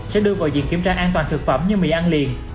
sẽ đưa vào diện kiểm tra an toàn thực phẩm như mì ăn liền